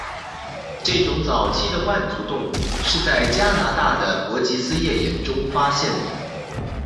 这种早期的腕足动物是在加拿大的伯吉斯页岩中发现的。